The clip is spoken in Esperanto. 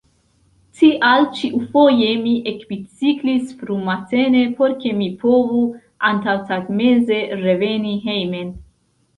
Tial ĉiufoje mi ekbiciklis frumatene, por ke mi povu antaŭtagmeze reveni hejmen.